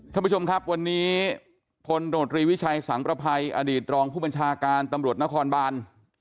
ท่านผู้ชมครับวันนี้พลโดดรีวิชัยสังประภัยอดีตรองผู้บัญชาการตำรวจนครบาน